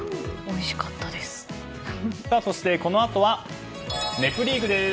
そしてこのあとは「ネプリーグ」です。